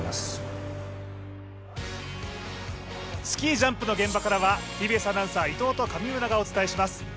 スキージャンプの現場からはＴＢＳアナウンサー、伊藤と上村がお伝えします。